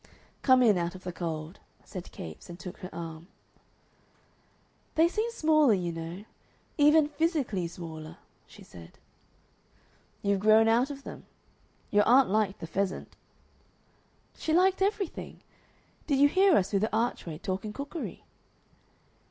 "Come in out of the cold," said Capes, and took her arm. "They seem smaller, you know, even physically smaller," she said. "You've grown out of them.... Your aunt liked the pheasant." "She liked everything. Did you hear us through the archway, talking cookery?"